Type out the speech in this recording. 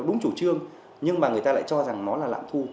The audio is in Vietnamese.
đúng chủ trương nhưng mà người ta lại cho rằng nó là lạm thu